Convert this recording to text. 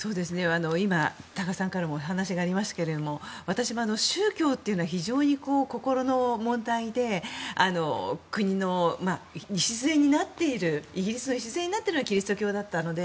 今、多賀さんからもお話がありましたが私も、宗教っていうのは非常に心の問題で国の礎になっているイギリスの礎になっているキリスト教だったので。